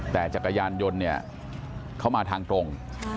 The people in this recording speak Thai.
แต่จักรยานยนต์เข้ามาทางตรง